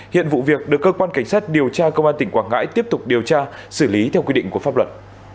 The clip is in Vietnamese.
hiện vụ việc được cơ quan cảnh sát điều tra công an tỉnh quảng ngãi tiếp tục điều tra xử lý theo quy định của pháp luật